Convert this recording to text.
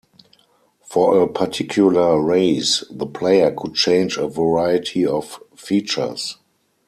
For a particular race, the player could change a variety of features.